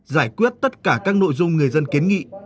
giải quyết tất cả các nội dung người dân kiến nghị